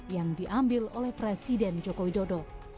yang diambil oleh presiden jokowi dodo